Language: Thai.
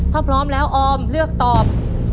ถ้าพร้อมแล้วออมเลือกตอบ